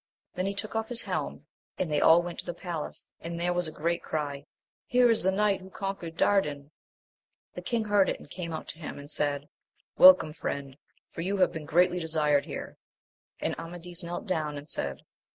Then he took off his helm, and they all went to the palace, and there was a great cry, Here is the knight who conquered Dardan ! The king heard it and came out to him, and said, Welcome, friend ! for you have been greatly desired here ! and Amadis knelt down, and said.